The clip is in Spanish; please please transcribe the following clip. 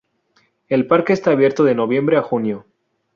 El parque está abierto de noviembre a junio.